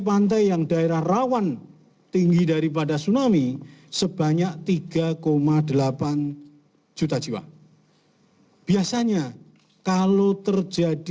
pantai yang daerah rawan tinggi daripada tsunami sebanyak tiga delapan juta jiwa biasanya kalau terjadi